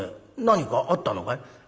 何かあったのかい？」。